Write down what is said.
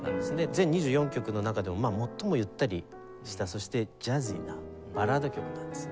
全２４曲の中でも最もゆったりしたそしてジャジーなバラード曲なんですね。